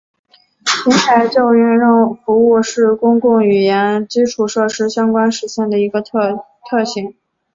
平台叫用服务是公共语言基础设施相关实现的一个特性。